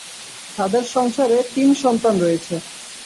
তাদের সংসারে তিন সন্তান রয়েছে।